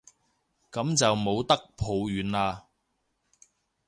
噉就冇得抱怨喇